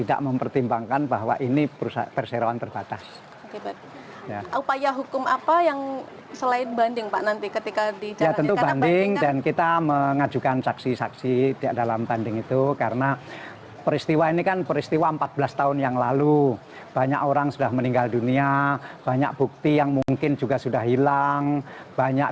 hakim menyatakan bahwa dahlan bersalah karena tidak melaksanakan tugas dan fungsinya secara benar saat menjabat direktur utama pt pancawira usaha sehingga aset yang terjual di bawah njop